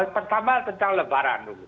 pertama tentang lebaran